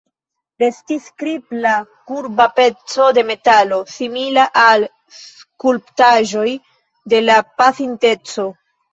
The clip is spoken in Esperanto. Restis kripla kurba peco de metalo, simila al skulptaĵoj de la pasinteco.